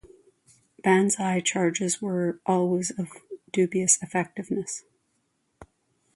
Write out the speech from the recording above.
Banzai charges were always of dubious effectiveness.